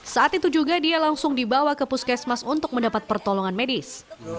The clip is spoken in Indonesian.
saat itu juga dia langsung dibawa ke puskesmas untuk mendapat pertolongan medis